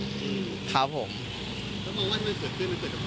คุณบอกว่ามันเกิดขึ้นมันเกิดกับประมาทง่าย